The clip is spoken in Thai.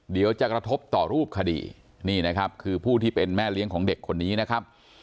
เดี๋ยวจะกระทบต่อรูปคดีนี่นะครับคือผู้ที่เป็นแม่เลี้ยงของเด็กคนนี้นะครับ